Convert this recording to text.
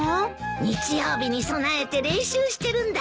日曜日に備えて練習してるんだ。